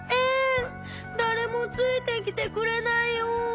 誰もついて来てくれないよ。